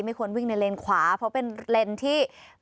ควรวิ่งในเลนขวาเพราะเป็นเลนที่